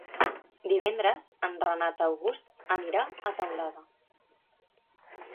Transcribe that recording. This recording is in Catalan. Divendres en Renat August anirà a Teulada.